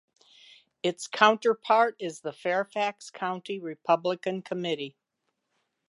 Its counterpart is the Fairfax County Republican Committee.